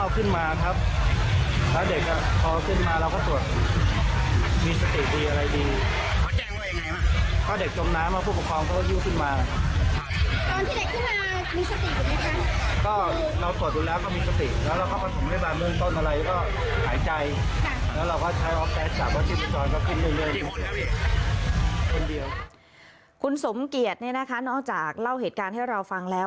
คุณสมเกียจเนี่ยนะคะนอกจากเล่าเหตุการณ์ให้เราฟังแล้ว